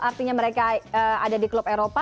artinya mereka ada di klub eropa